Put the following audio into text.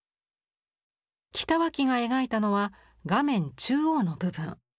北脇が描いたのは画面中央の部分。